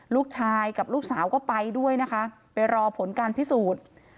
ลูกชายกับลูกสาวก็ไปด้วยนะคะไปรอผลการพิสูจน์